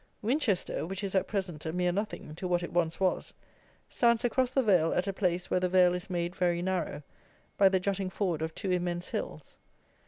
Winchester, which is at present a mere nothing to what it once was, stands across the vale at a place where the vale is made very narrow by the jutting forward of two immense hills.